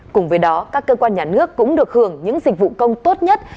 cùng với đó các cơ quan nhà nước cũng được hưởng những dịch vụ công tốt nhất